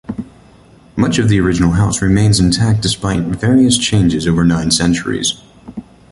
Much of the original house remains intact despite various changes over nine centuries.